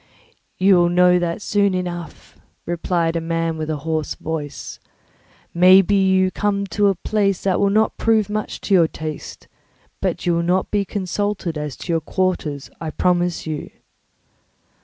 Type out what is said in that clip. "You will know that soon enough," replied a man with a hoarse voice. "Maybe you are come to a place that will not prove much to your taste, but you will not be consulted as to your quarters, I promise you."